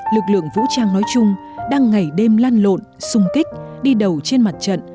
lực lượng vũ trang nói chung đang ngày đêm lan lộn sung kích đi đầu trên mặt trận